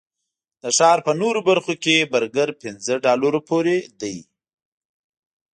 د ښار په نورو برخو کې برګر پنځه ډالرو پورې دي.